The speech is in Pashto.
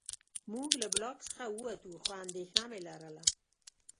موږ له بلاک څخه ووتو خو اندېښنه مې لرله